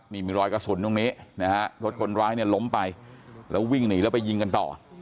นี่มีรอยกระสุนตรงนี้นะฮะรถคนร้ายเนี่ยล้มไปแล้ววิ่งหนีแล้วไปยิงกันต่อ